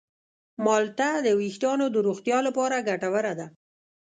مالټه د ویښتانو د روغتیا لپاره ګټوره ده.